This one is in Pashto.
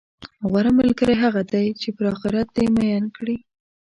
غوره ملګری هغه دی، چې پر اخرت دې میین کړي،